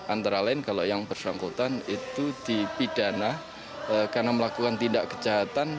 antara lain kalau yang bersangkutan itu dipidana karena melakukan tindak kejahatan